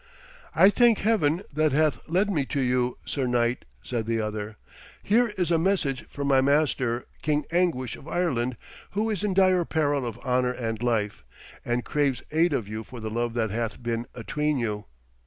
'I thank Heaven that hath led me to you, sir knight,' said the other. 'Here is a message from my master, King Anguish of Ireland, who is in dire peril of honour and life, and craves aid of you for the love that hath been atween you.'